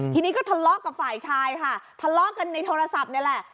ทีนี้ก็ทะเลาะกับฝ่ายชายค่ะทะเลาะกันในโทรศัพท์นี่แหละ